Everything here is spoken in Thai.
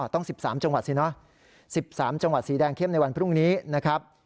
ต้อง๑๓จังหวัดสิเนอะ๑๓จังหวัดสีแดงเข้มในวันพรุ่งนี้นะครับ